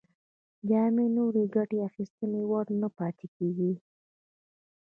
جامې نور د ګټې اخیستنې وړ نه پاتې کیږي.